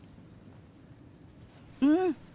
うん！